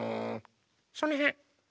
そのへん。